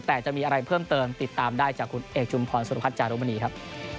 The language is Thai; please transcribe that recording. แต่จะมีอะไรเพิ่มเติมติดตามได้จากคุณเอกชุมพรสุรพัฒน์จารุมณีครับ